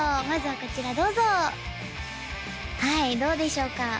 まずはこちらどうぞはいどうでしょうか？